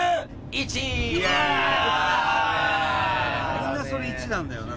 みんなそれ１なんだよな